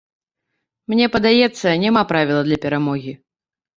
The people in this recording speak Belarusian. Мне падаецца, няма правіла для перамогі.